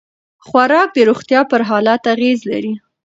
خوراک د روغتیا پر حالت اغېز لري.